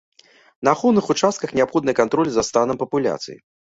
На ахоўных участках неабходны кантроль за станам папуляцый.